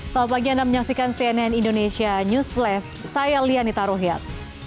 selamat pagi anda menyaksikan cnn indonesia news flash saya lianita rohiat